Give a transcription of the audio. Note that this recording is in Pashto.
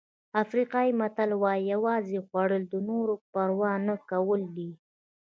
افریقایي متل وایي یوازې خوړل د نورو پروا نه کول دي.